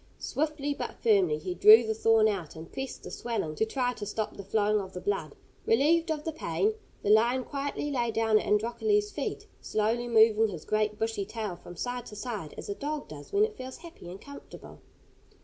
Swiftly but firmly he drew the thorn out, and pressed the swelling to try to stop the flowing of the blood. Relieved of the pain, the lion quietly lay down at Androcles' feet, slowly moving his great bushy tail from side to side as a dog does when it feels happy and comfortable.